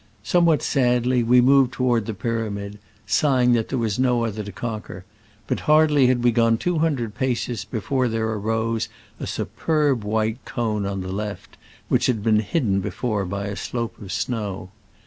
Somewhat sadly we moved to ward the pyramid, sighing that there was no other to conquer, but hai dly had we gone two hundred paces before there rose a superb white cone on the left, which had been hidden before by a slope of snow.